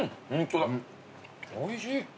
おいしい。